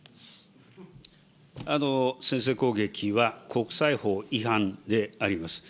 先制攻撃は国際法違反であります。